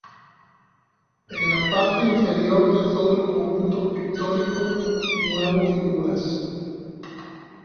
En la parte inferior de todo el conjunto pictórico nuevo figuras.